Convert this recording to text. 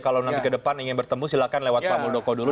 kalau nanti ke depan ingin bertemu silahkan lewat pak muldoko dulu